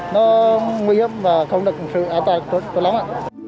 nó nguy hiểm và không được sự an toàn tốt lắm ạ